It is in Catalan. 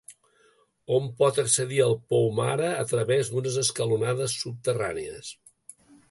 Hom pot accedir al pou mare a través d'unes escalonades subterrànies.